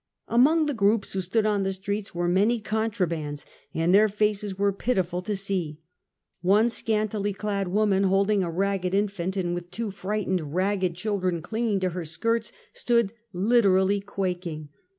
Among the groups who stood in the streets were many contrabands, and their faces were pitiful to see. One scantily clad woman, holding a ragged infant, and with two frightened, ragged children clinging to her skirts, stood literally quaking.